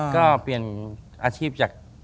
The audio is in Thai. ก็เปลี่ยนอาชีพจาก